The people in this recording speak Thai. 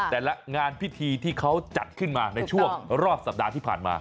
งานพิธีที่เขาจัดขึ้นมาในช่วงรอบสัปดาห์ที่ผ่านมา